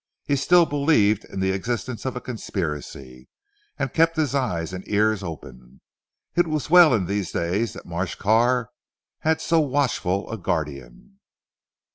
He still believed in the existence of a conspiracy, and kept his eyes and ears open. It was well in these days, that Marsh Carr had so watchful a guardian.